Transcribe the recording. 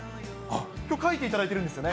きょう、書いていただいているんですよね。